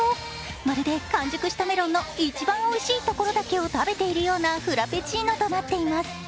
まるで完熟したメロンの一番おいしいところだけを食べているようなフラペチーノとなっています。